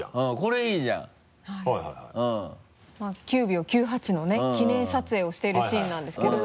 ９秒９８のね記念撮影をしているシーンなんですけど。